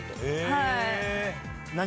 はい。